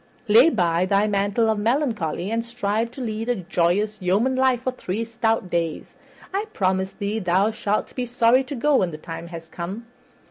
Lay by thy mantle of melancholy, and strive to lead a joyous yeoman life for three stout days. I promise thee thou shalt be sorry to go when the time has come."